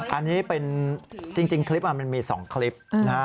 อันนี้เป็นจริงคลิปมันมี๒คลิปนะฮะ